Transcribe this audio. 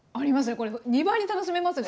これ２倍に楽しめますね